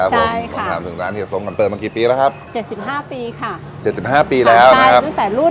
ต้องถามถึงร้านเฮียโซงมันเปิดมากี่ปีแล้วครับ